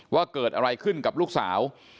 ว่าเกิดอะไรขึ้นกับลูกสาว